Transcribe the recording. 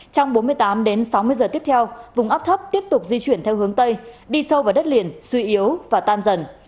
trong bốn mươi tám đến sáu mươi giờ tiếp theo vùng áp thấp tiếp tục di chuyển theo hướng tây đi sâu vào đất liền suy yếu và tan dần